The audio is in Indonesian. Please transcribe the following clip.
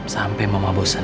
sampai mama bosan